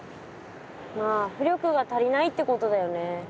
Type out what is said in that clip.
まあ浮力が足りないってことだよね。